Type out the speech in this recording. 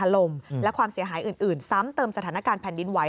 ลมและความเสียหายอื่นซ้ำเติมสถานการณ์แผ่นดินไหว